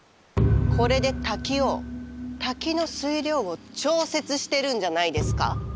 これで滝を滝の水量を調節してるんじゃないですか？